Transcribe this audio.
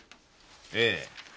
ええ。